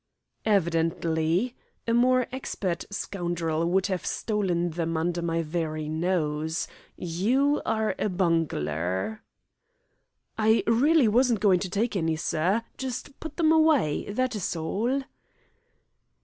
"Evidently. A more expert scoundrel would have stolen them under my very nose. You are a bungler." "I really wasn't goin' to take any, sir just put them away, that is all."